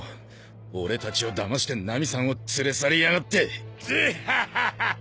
俺たちをダマしてナミさんを連れ去りやがってジッハハハハハハ！